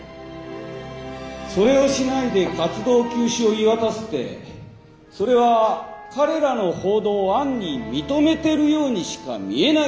それをしないで活動休止を言い渡すってそれは彼らの報道を暗に認めてるようにしか見えないですよね。